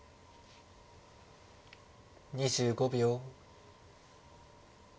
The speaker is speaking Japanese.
２５秒。